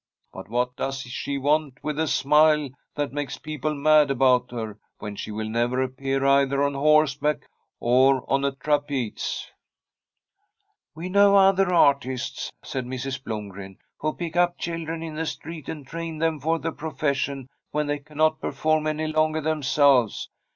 But what does she want with a smile that makes people mad about her, when she will never appear either on horseback or on a trapeze ?'* We know other artists,' said Mrs. Blomgren, 'who pick up children in the street and train them for the profession when they cannot perform any longer themselves.